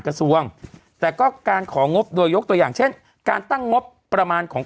กระทรวงแต่ก็การของงบโดยยกตัวอย่างเช่นการตั้งงบประมาณของ